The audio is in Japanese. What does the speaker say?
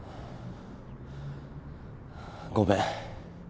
ごめん。